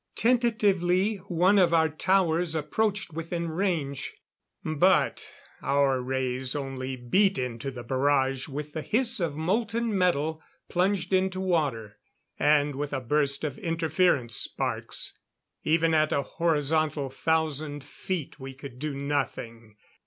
Tentatively one of our towers approached within range; but our rays only beat into the barrage with the hiss of molten metal plunged into water, and with a burst of interference sparks. Even at a horizontal thousand feet we could do nothing.